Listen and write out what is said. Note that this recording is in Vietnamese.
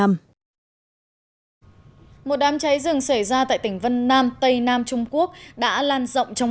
một đám cháy rừng xảy ra tại tỉnh vân nam tây nam trung quốc đã lan rộng trong